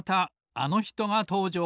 あのひとがとうじょう。